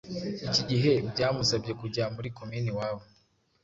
Iki gihe byamusabye kujya muri Komine iwabo